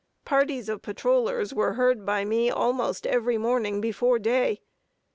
Parties of patrollers were heard by me almost every morning before day.